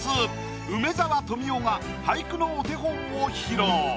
梅沢富美男が俳句のお手本を披露。